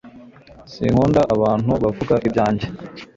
sinkunda abantu bavuga ibyanjye